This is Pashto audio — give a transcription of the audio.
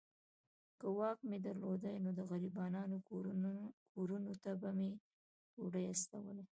که واک مي درلودای نو د غریبانو کورونو ته به مي ډوډۍ استولې.